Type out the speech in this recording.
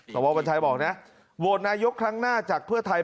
สววัญชัยบอกนะโหวตนายกครั้งหน้าจากเพื่อไทย